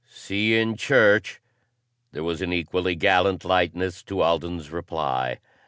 "See you in church." There was an equally gallant lightness to Alden's reply.